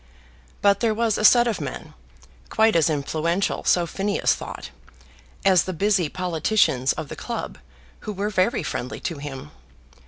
But there was a set of men, quite as influential, so Phineas thought, as the busy politicians of the club, who were very friendly to him.